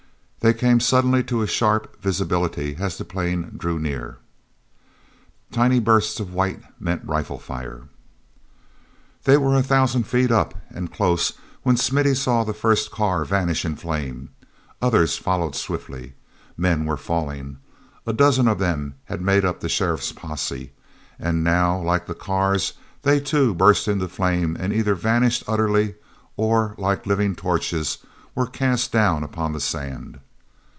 They came suddenly to sharp visibility as the plane drew near. Tiny bursts of white meant rifle fire. They were a thousand feet up and close when Smithy saw the first car vanish in flame. Others followed swiftly. Men were falling. A dozen of them had made up the sheriff's posse, and now, like the cars, they, too, burst into flame and either vanished utterly or, like living torches, were cast down upon the sand.